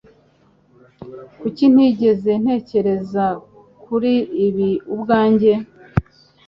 Kuki ntigeze ntekereza kuri ibi ubwanjye?